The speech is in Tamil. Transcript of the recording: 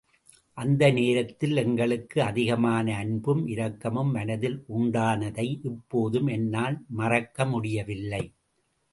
அந்த நேரத்தில் எங்களுக்கு அதிகமான அன்பும், இரக்கமும் மனத்தில் உண்டானதை இப்போதும் என்னால் மறக்க முடியவில்லை.